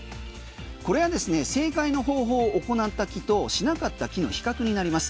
これはですね正解の方法を行った木としなかった木の比較になります。